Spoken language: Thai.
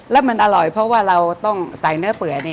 แล้วมันอร่อยเพราะว่าเราต้องใส่เนื้อเปื่อยนี่